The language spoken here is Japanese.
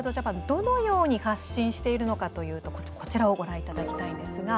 どのように発信しているのかというとこちらをご覧いただきたいんですが。